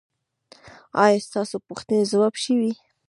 ایا ستاسو پوښتنې ځواب شوې؟